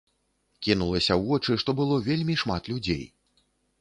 Кінулася ў вочы, што было вельмі шмат людзей.